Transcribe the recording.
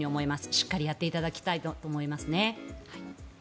しっかりやっていただきたいと思います。